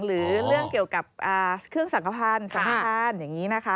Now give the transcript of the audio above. หรือเรื่องเกี่ยวกับเครื่องสังขพันธ์สังขทานอย่างนี้นะคะ